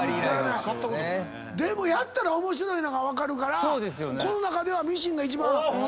でもやったら面白いのが分かるからこの中ではミシンが一番。